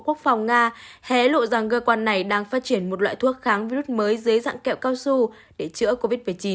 quốc phòng nga hé lộ rằng cơ quan này đang phát triển một loại thuốc kháng virus mới dưới dạng kẹo cao su để chữa covid một mươi chín